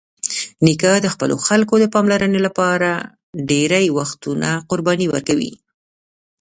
نیکه د خپلو خلکو د پاملرنې لپاره ډېری وختونه قرباني ورکوي.